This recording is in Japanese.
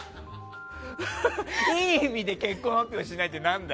いい意味で結婚発表しないって何だよ？